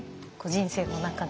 人生の中で。